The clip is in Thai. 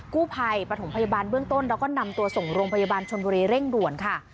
กู้ภัยปฐมพยาบาลเบื้องต้นแล้วก็นำตัวส่งโรงพยาบาลชนบุรีเร่งด่วนค่ะ